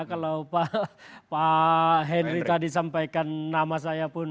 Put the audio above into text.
kalau pak henry tadi sampaikan nama saya pun